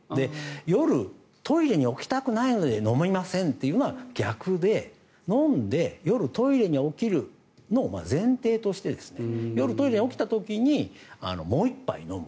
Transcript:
夜、トイレに起きたくないので飲みませんというのは逆で飲んで、夜トイレに起きるのを前提として夜、トイレに起きた時にもう１杯飲む。